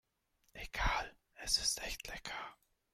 Egal, es ist echt lecker.